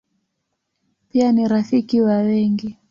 Pia ni rafiki wa wengi.